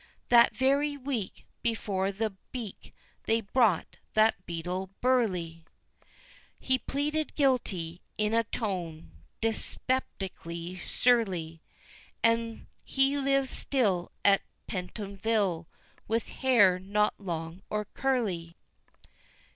That very week, before the beak, they brought that beadle burly; He pleaded guilty in a tone dyspeptically surly, And he lives still at Pentonville with hair not long or curly!